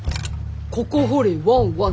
ここ掘れワンワン。